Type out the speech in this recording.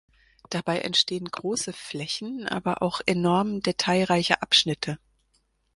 Dabei entstehen große Flächen, aber auch enorm detailreiche Abschnitte.